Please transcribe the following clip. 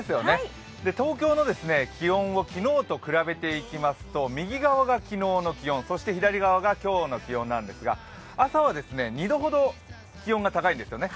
東京の気温を昨日と比べていきますと、右側が昨日の気温左側が今日の気温なんですが朝は２度ほど気温が高いですよね。